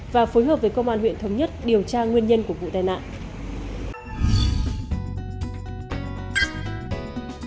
và phối hợp với công an huyện thống nhất điều tra nguyên nhân của vụ tai nạn